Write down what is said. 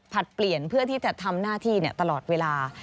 เปลี่ยนเพื่อที่จะทำหน้าที่ตลอดเวลา